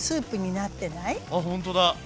あっほんとだ！